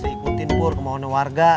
ikutin bur kemana warga